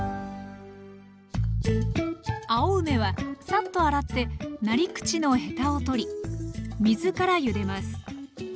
青梅はさっと洗ってなり口のヘタを取り水からゆでます。